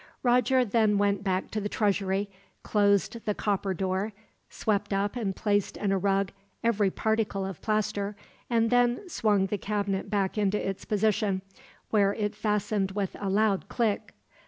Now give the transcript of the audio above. Roger then went back to the treasury, closed the copper door, swept up and placed in a rug every particle of plaster, and then swung the cabinet back into its position, where it fastened with a loud click.